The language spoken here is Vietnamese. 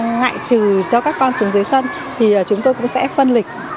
ngoại trừ cho các con xuống dưới sân thì chúng tôi cũng sẽ phân lịch